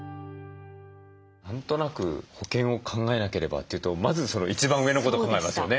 何となく保険を考えなければというとまずその一番上のこと考えますよね。